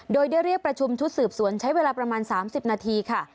โดยได้เรียกประชุมชุดสืบสวนใช้เวลาประมาณ๓๐นาทีค่ะ